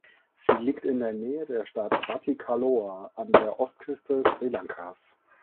Sie liegt in der Nähe der Stadt Batticaloa an der Ostküste Sri Lankas.